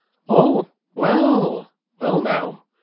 "Oh! Well! Well now!